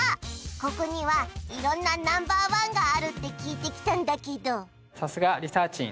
ここにはいろんなナンバーワンがあるって聞いてきたんだけどさすがリサーちん